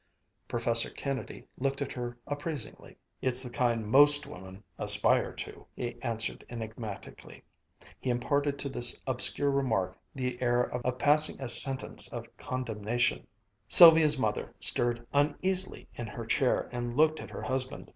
Professor Kennedy looked at her appraisingly. "It's the kind most women aspire to," he answered enigmatically. He imparted to this obscure remark the air of passing a sentence of condemnation. Sylvia's mother stirred uneasily in her chair and looked at her husband.